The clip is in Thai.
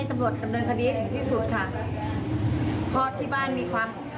ทุกคนบอกให้อภัยให้อภัย